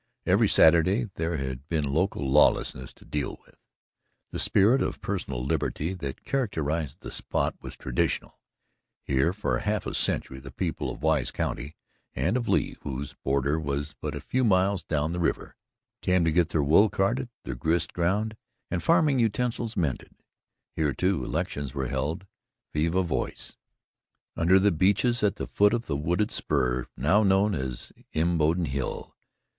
Every Saturday there had been local lawlessness to deal with. The spirit of personal liberty that characterized the spot was traditional. Here for half a century the people of Wise County and of Lee, whose border was but a few miles down the river, came to get their wool carded, their grist ground and farming utensils mended. Here, too, elections were held viva voce under the beeches, at the foot of the wooded spur now known as Imboden Hill.